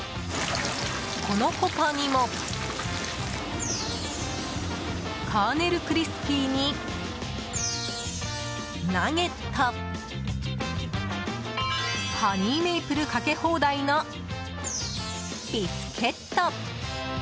この他にもカーネルクリスピーに、ナゲットハニーメイプルかけ放題のビスケット。